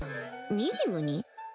ミリムに？